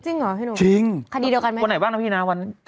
จริงเหรอพี่หนูคดีเดียวกันไหมวันไหนบ้างนะพี่น้าวันนี้